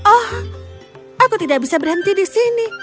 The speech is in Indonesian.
oh aku tidak bisa berhenti di sini